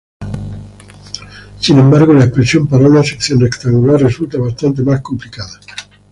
Sin embargo, la expresión para una sección rectangular resulta bastante más complicado.